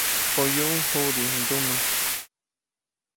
Poyuʼuŋ juʼdijiʼŋndumä.